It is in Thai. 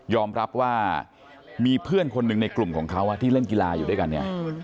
รับว่ามีเพื่อนคนหนึ่งในกลุ่มของเขาที่เล่นกีฬาอยู่ด้วยกันเนี่ย